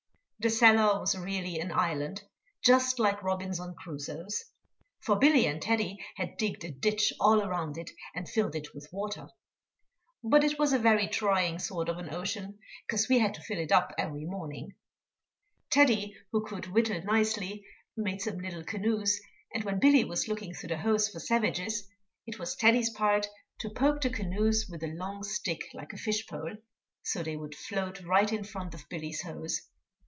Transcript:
The cellar was really an island, just like Robinson Crusoe's; for Billy and Teddy had digged a ditch all round it, and filled it with water; but it was a very trying sort of an ocean, 'cause we had to fill it up every morning. [Illustration: BILLY WATCHING FOR SAVAGES. DRAWN BY C. S. REINHART.] Teddy, who could whittle nicely, made some little canoes, and when Billy was looking through the hose for savages, it was Teddy's part to poke the canoes with a long stick like a fish pole, so they would float right in front of Billy's hose.